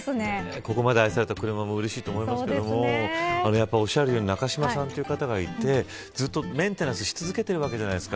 ここまで愛された車もうれしいと思いますけどもおっしゃるように中島さんという方がいてずっとメンテナンスし続けているわけじゃないですか。